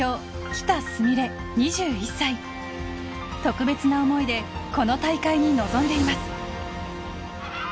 特別な思いでこの大会に臨んでいます。